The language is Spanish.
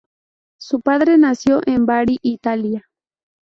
Su padre nació en Bari, Italia.